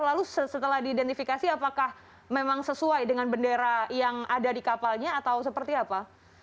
lalu setelah diidentifikasi apakah memang sesuai dengan bendera yang ada di kapalnya atau seperti apa